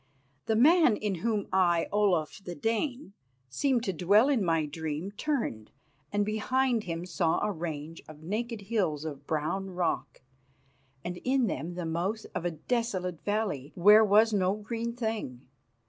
The man in whom I, Olaf the Dane, seemed to dwell in my dream turned, and behind him saw a range of naked hills of brown rock, and in them the mouth of a desolate valley where was no green thing.